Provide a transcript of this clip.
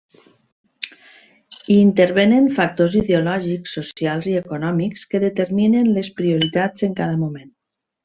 Hi intervenen factors ideològics, socials i econòmics que determinen les prioritats en cada moment.